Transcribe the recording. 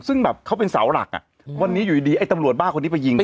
ซึ่งแบบเขาเป็นเสาหลักอ่ะวันนี้อยู่ดีไอ้ตำรวจบ้าคนนี้ไปยิงเขา